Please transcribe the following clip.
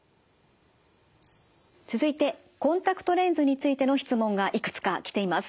続いてコンタクトレンズについての質問がいくつか来ています。